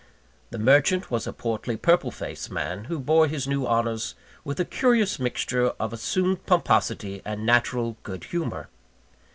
The merchant was a portly, purple faced man, who bore his new honours with a curious mixture of assumed pomposity and natural good humour.